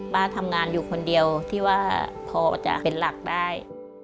ป้าทำงานอยู่คนเดียวที่ว่าพอจะเป็นหลักได้